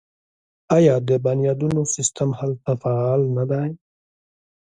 آیا د بنیادونو سیستم هلته فعال نه دی؟